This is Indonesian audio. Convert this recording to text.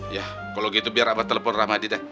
ya kalo gitu biar abah telepon rahmadi deh